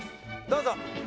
どうぞ。